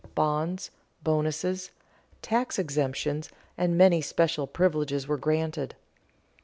Bonds, bonuses, tax exemptions, and many special privileges were granted.